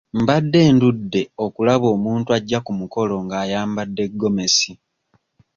Mbadde ndudde okulaba omuntu ajja ku mukolo ng'ayambadde gomesi.